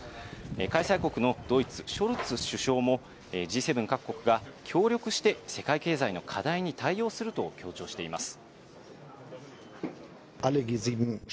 開催国のドイツ、ショルツ首相も、Ｇ７各国が協力して世界経済の課題に対応すると強調しています。